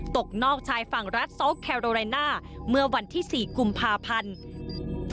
ตกนอกชายฝั่งรัฐโซลแคโรไรน่าเมื่อวันที่๔กุมภาพันธ์